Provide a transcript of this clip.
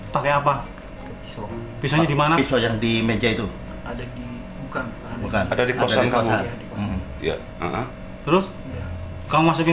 pakai apa pisau dimana yang di meja itu ada di bukan ada di kosong kamu ya terus kamu masukin